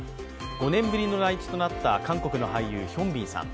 ５年ぶりの来日となった韓国の俳優ヒョンビンさん。